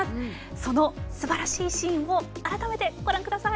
そのすばらしいシーンを改めてご覧ください。